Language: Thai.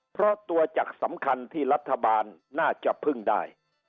เพราะตัวจักรสำคัญที่รัฐบาลน่าจะพึ่งได้